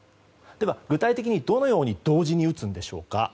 では、具体的にどのように同時に打つんでしょうか。